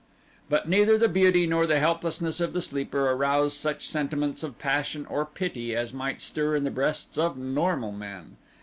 But neither the beauty nor the helplessness of the sleeper aroused such sentiments of passion or pity as might stir in the breasts of normal men.